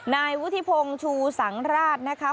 นายวุฒิพงศ์ชูสังราชนะคะ